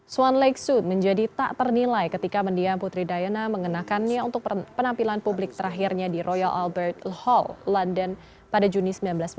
swan leksu menjadi tak ternilai ketika mendiam putri diana mengenakannya untuk penampilan publik terakhirnya di royal albert hall london pada juni seribu sembilan ratus sembilan puluh